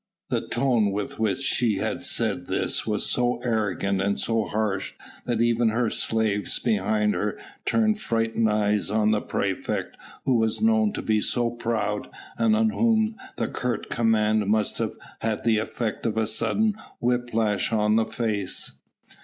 The tone with which she said this was so arrogant and so harsh that even her slaves behind her turned frightened eyes on the praefect who was known to be so proud, and on whom the curt command must have had the effect of a sudden whip lash on the face.